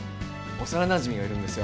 幼なじみがいるんですよ。